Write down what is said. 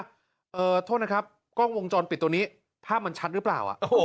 โทษนะครับกล้องวงจรปิดตัวนี้ภาพมันชัดหรือเปล่า